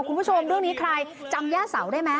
คุณผู้ชมเรื่องนี้ใครจำย่าเสาได้ไหม